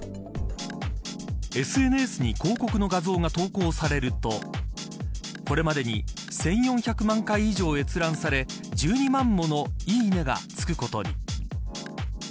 ＳＮＳに広告の画像が投稿されるとこれまでに１４００万回以上閲覧され１２万ものいいね、がつくことに。